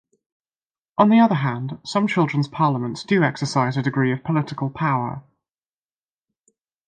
On the other hand, some children's parliaments do exercise a degree of political power.